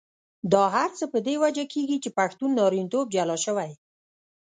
دا هر څه په دې وجه کېږي چې پښتون نارینتوب جلا شوی.